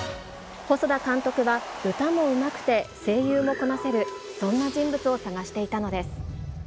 細田監督は、歌もうまくて、声優もこなせる、そんな人物を探していたのです。